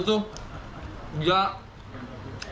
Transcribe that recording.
dia kayak lebih keluar kan